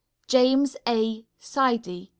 JAMES A. SIDEY, M.